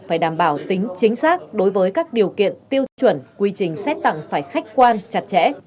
phải đảm bảo tính chính xác đối với các điều kiện tiêu chuẩn quy trình xét tặng phải khách quan chặt chẽ